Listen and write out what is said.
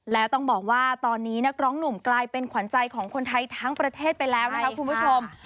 และต้องบอกว่าตอนนี้นักร้องหนุ่มกลายเป็นขวัญใจของคนไทยทั้งประเทศไปแล้วนะคะคุณผู้ชม